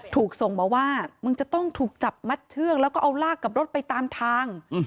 ถูกส่งมาว่ามึงจะต้องถูกจับมัดเชือกแล้วก็เอาลากกับรถไปตามทาง